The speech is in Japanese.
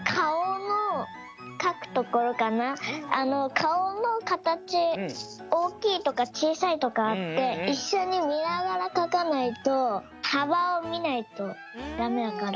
かおのかたちおおきいとかちいさいとかあっていっしょにみながらかかないとはばをみないとダメだから。